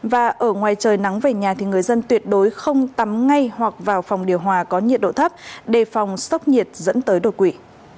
và ở ngoài trời nắng về nhà thì người dân tuyệt đối không tắm ngay hoặc vào phòng điều hòa có nhiệt độ thấp đề phòng sốc nhiệt dẫn tới đột quỷ